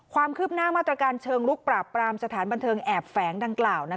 ความคืบหน้ามาตรการเชิงลุกปราบปรามสถานบันเทิงแอบแฝงดังกล่าว